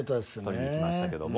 取りにきましたけども。